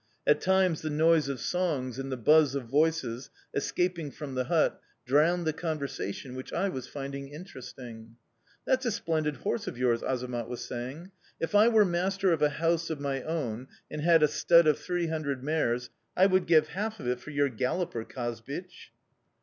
At times the noise of songs and the buzz of voices, escaping from the hut, drowned the conversation which I was finding interesting. "'That's a splendid horse of yours,' Azamat was saying. 'If I were master of a house of my own and had a stud of three hundred mares, I would give half of it for your galloper, Kazbich!